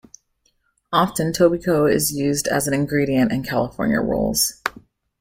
Often, tobiko is used as an ingredient in California rolls.